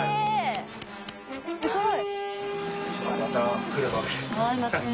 すごい。